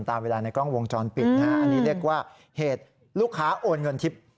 ตามเวลาในกล้องวงจรปิดนะฮะอันนี้เรียกว่าเหตุลูกค้าโอนเงินทิพย์